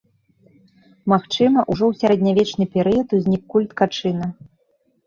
Магчыма, ужо у сярэднявечны перыяд узнік культ качына.